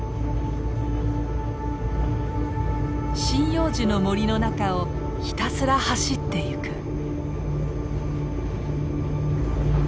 針葉樹の森の中をひたすら走っていく。